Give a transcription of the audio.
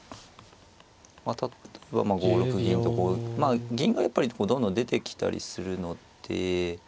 例えば５六銀とこう銀がやっぱりどんどん出てきたりするので。